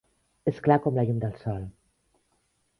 Es clar com la llum del sol